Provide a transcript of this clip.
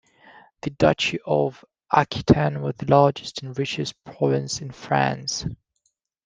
The Duchy of Aquitaine was the largest and richest province of France.